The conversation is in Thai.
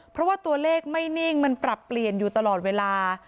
เพราะว่าตัวเลขไม่นิ่งมันปรับเปลี่ยนอยู่ตลอดเวลา